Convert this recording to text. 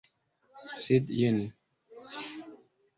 Sed jen!